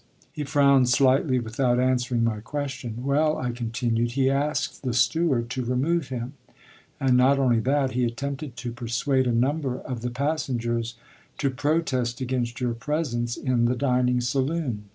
He frowned slightly without answering my question. "Well," I continued, "he asked the steward to remove him; and not only that, he attempted to persuade a number of the passengers to protest against your presence in the dining saloon."